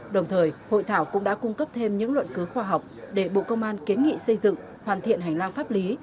đồng thời hội thảo cũng đã cung cấp thêm những luận cứu khoa học để bộ công an kiến nghị xây dựng hoàn thiện hành lang pháp lý